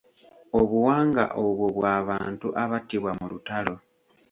Obuwanga obwo bw'abantu abattibwa mu lutalo.